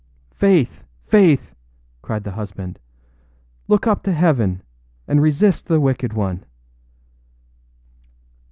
âFaith! Faith!â cried the husband, âlook up to heaven, and resist the wicked one.